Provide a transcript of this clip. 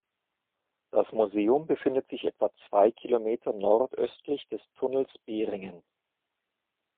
Das Museum befindet sich etwa zwei Kilometer nordöstlich des Tunnels Behringen.